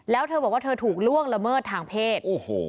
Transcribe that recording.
แล้วเธอบอกว่าเธอถูกล่วงละเมิดทางเพศ